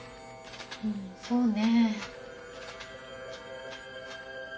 うんそうね。